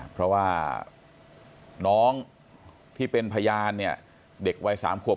เพราะว่าน้องที่เป็นพยานเนี่ยเด็กวัย๓ขวบ